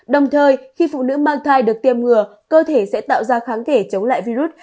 đồng thời khi phụ nữ mang thai được tiêm ngừa cơ thể sẽ tạo ra kháng thể chống lại virus